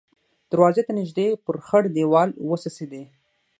دروازې ته نږدې پر خړ دېوال وڅڅېدې.